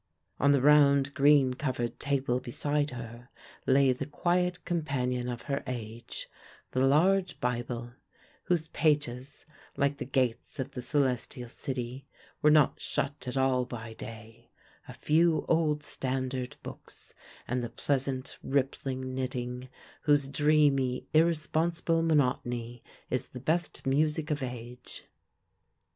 On the round, green covered table beside her lay the quiet companion of her age, the large Bible, whose pages, like the gates of the celestial city, were not shut at all by day, a few old standard books, and the pleasant, rippling knitting, whose dreamy, irresponsible monotony is the best music of age.